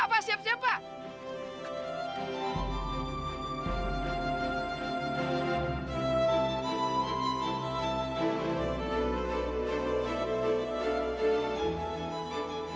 pak siap siap pak